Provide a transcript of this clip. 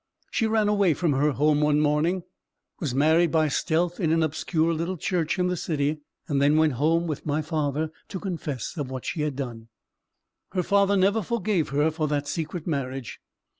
She ran away from her home one morning, was married by stealth in an obscure little church in the City, and then went home with my father to confess what she had done. Her father never forgave her for that secret marriage.